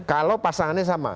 kalau pasangannya sama